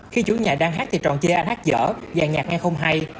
khi chủ nhà đang hát thì tròn chê anh hát dở và nhạc nghe không hay